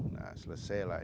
nah selesai lah